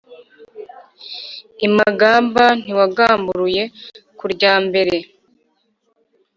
i magamba ntiwagamburuye ku rya mbere.